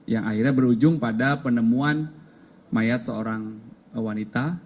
yang akhirnya berujung pada penemuan mayat seorang wanita